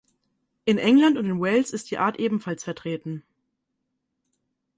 In England und in Wales ist die Art ebenfalls vertreten.